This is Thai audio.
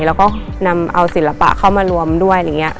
แล้วก็นำเอาศิลปะเข้ามารวมด้วย